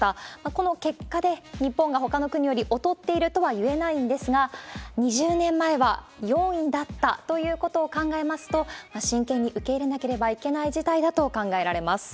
この結果で日本がほかの国より劣っているとはいえないんですが、２０年前は４位だったということを考えますと、真剣に受け入れなければいけない事態だと考えられます。